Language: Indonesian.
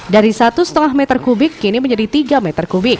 dari satu lima meter kubik kini menjadi tiga meter kubik